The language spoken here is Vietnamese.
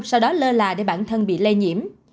sau đó lơ là để bản thân bị lây nhiễm